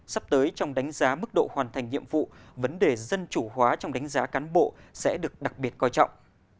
sắp tới trong đánh giá mức độ hoàn thành nhiệm vụ vấn đề dân chủ hóa trong đánh giá cán bộ sẽ được đặc biệt coi trọng